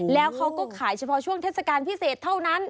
แล้วเขาก็ขายเฉพาะช่วงเทศกาลพิเศษเท่านั้น